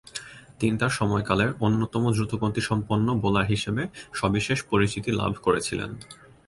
তিনি তার সময়কালের অন্যতম দ্রুতগতিসম্পন্ন বোলার হিসেবে সবিশেষ পরিচিতি লাভ করেছিলেন।